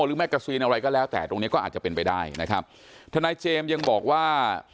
แกซีนอะไรก็แล้วแต่ตรงเนี้ยก็อาจจะเป็นไปได้นะครับทนายเจมส์ยังบอกว่า